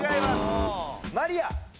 マリア！